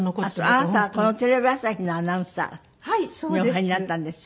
あなたはこのテレビ朝日のアナウンサーにお入りになったんですよね。